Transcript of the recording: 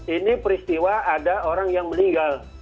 ini peristiwa ada orang yang meninggal